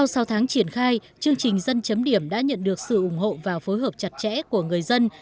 sau sáu tháng triển khai chương trình dân chấm điểm đã nhận được sự ủng hộ và phối hợp chặt chẽ của người dân